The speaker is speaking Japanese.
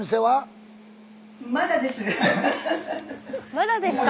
まだですか！